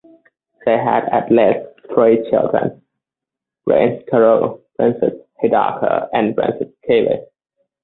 They had at least three children, Prince Karu, Princess Hidaka and Princess Kibi.